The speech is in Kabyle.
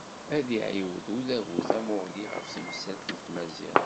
Ad iɛiwed udabu tamuɣli ɣef temsalt n tmaziɣt.